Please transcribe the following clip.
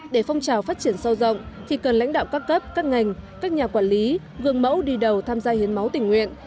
để phong trào phát triển sâu rộng thì cần lãnh đạo các cấp các ngành các nhà quản lý gương mẫu đi đầu tham gia hiến máu tình nguyện